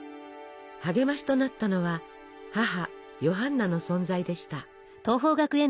励ましとなったのは母ヨハンナの存在でした。